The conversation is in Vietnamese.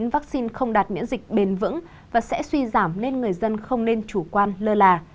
vaccine không đạt miễn dịch bền vững và sẽ suy giảm nên người dân không nên chủ quan lơ là